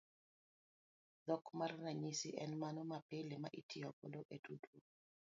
Dhok mar ranyisi en mano mapile ma itiyo godo e tudruok.